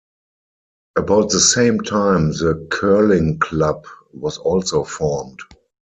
About the same time the Curling Club was also formed.